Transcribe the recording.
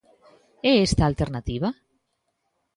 É esta a alternativa?